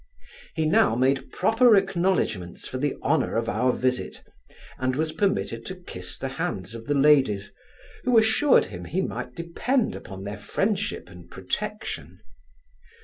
He now made proper acknowledgments for the honour of our visit, and was permitted to kiss the hands of the ladies, who assured him, he might depend upon their friendship and protection.